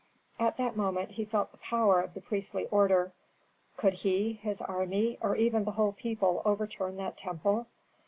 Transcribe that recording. At that moment he felt the power of the priestly order. Could he, his army, or even the whole people overturn that temple?